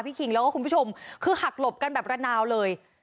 คิงแล้วก็คุณผู้ชมคือหักหลบกันแบบระนาวเลย